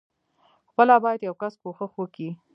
خپله بايد يو کس کوښښ وکي.